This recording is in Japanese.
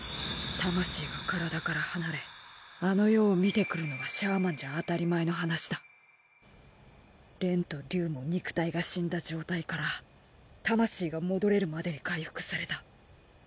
魂が体から離れあの世を見てくるのはシャーマンじゃ当たり前の話だ。と竜も肉体が死んだ状態から魂が戻れるまでに回復された。